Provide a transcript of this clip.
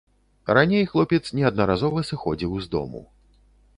Раней хлопец неаднаразова сыходзіў з дому.